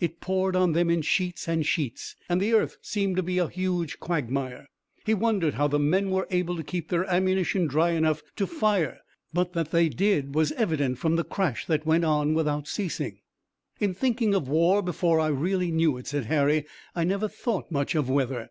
It poured on them in sheets and sheets and the earth seemed to be a huge quagmire. He wondered how the men were able to keep their ammunition dry enough to fire, but that they did was evident from the crash that went on without ceasing. "In thinking of war before I really knew it," said Harry, "I never thought much of weather."